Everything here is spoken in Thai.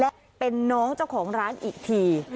และเป็นน้องเจ้าของร้านอีกที